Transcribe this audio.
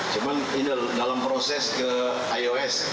cuma ini dalam proses ke ios